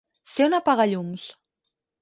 Ser un apagallums.